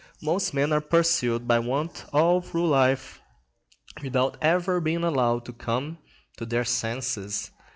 Most men are pursued by want all through life, without ever being allowed to come to their senses.